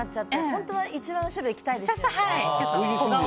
本当は一番後ろ行きたいですよね。